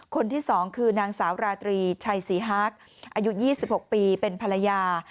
คนที่๒คือนางสาวราตรีชัยศรีฮักอายุ๒๖ปีเป็นภรรยา